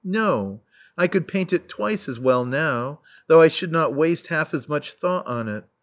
No: I could paint it twice as well now, though I should not waste half as much thought on it.